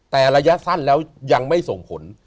แต่ระยะสั้นแล้วยังไม่ส่งผล